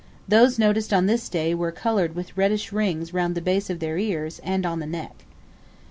Those noticed on this day were coloured with reddish rings round the base of their ears and on the neck.